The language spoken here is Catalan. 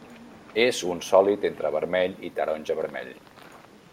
És un sòlid entre vermell i taronja-vermell.